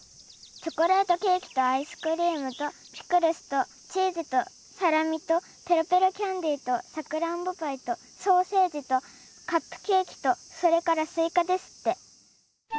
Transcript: チョコレートケーキとアイスクリームとピクルスとチーズとサラミとぺろぺろキャンディーとさくらんぼパイとソーセージとカップケーキとそれからすいかですって」。